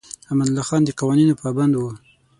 امان الله خان د قوانینو پابند و.